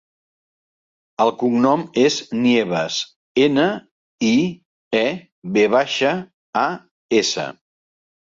El cognom és Nievas: ena, i, e, ve baixa, a, essa.